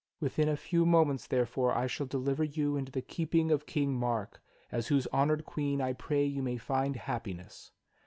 Within a few moments, therefore, I shall deliver you into the keep ing of King Mark as whose honored Queen I pray you may find hap piness.